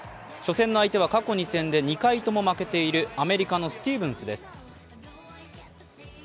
初戦の相手は過去２戦で２回とも負けているアメリカのスティーブンスです。